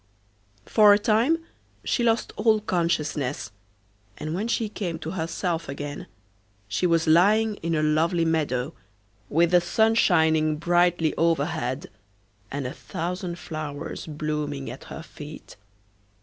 For a time she lost all consciousness, and when she came to herself again she was lying in a lovely meadow, with the sun shining brightly overhead, and a thousand flowers blooming at her feet.